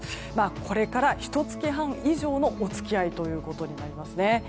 これからひと月半以上のお付き合いとなりますね。